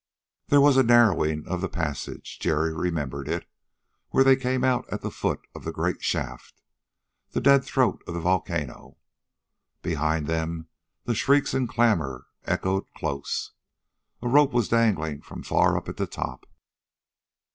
There was the narrowing of the passage Jerry remembered it where they came out at the foot of the great shaft, the dead throat of the volcano. Behind them the shrieks and clamor echoed close. A rope was dangling from far up at the top.